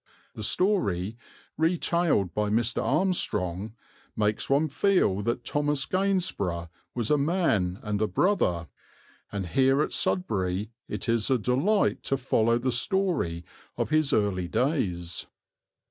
The story, retailed by Mr. Armstrong, makes one feel that Thomas Gainsborough was a man and a brother, and here at Sudbury it is a delight to follow the story of his early days.